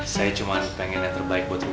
saya cuma pengen yang terbaik buat mereka